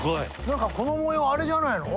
何かこの模様あれじゃないの？